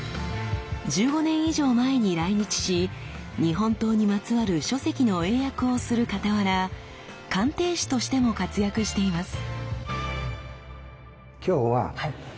１５年以上前に来日し日本刀にまつわる書籍の英訳をするかたわら鑑定士としても活躍しています。